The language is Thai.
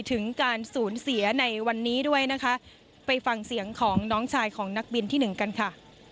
ถึงการสูญเสียในวันนี้ด้วยนะคะไปฟังเสียงของน้องชายของนักบินที่หนึ่งกันค่ะ